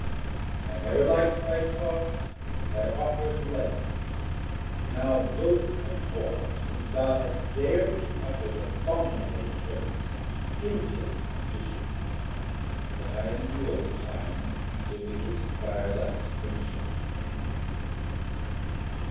170 I never lik'd thy talk, thy offers less, Now both abhor, since thou hast dar'd to utter The abominable terms, impious condition; But I endure the time, till which expir'd, Thou hast permission on me.